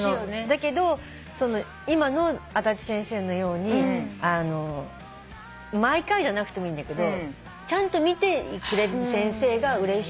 だけど今のアダチ先生のように毎回じゃなくてもいいんだけどちゃんと見てくれる先生がうれしい。